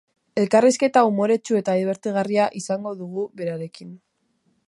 Elkarrizketa umoretsu eta dibertigarria izango dugu berarekin.